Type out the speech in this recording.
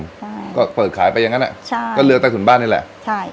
ใช่ก็เปิดขายไปอย่างงั้นอ่ะใช่ก็เรือใต้ถุนบ้านนี่แหละใช่